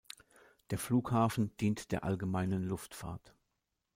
Der Flughafen dient der Allgemeinen Luftfahrt.